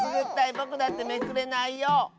ぼくだってめくれないよ。